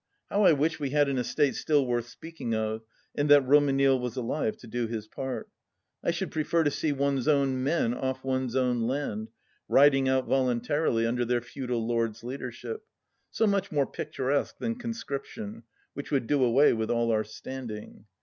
How I wbh we had an estate still worth speaking of, and that Romanille was alive to do his part ! I should prefer to see one's own men off one's own land, riding out voluntarily under their feudal lord's leadership^so much more picturesque than Conscription, which would do away with all our standing.